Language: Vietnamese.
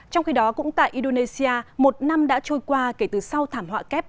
trong khi đó cũng tại indonesia một năm đã trôi qua kể từ sau thảm họa kép